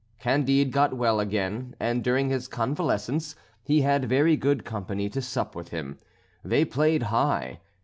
Candide got well again, and during his convalescence he had very good company to sup with him. They played high.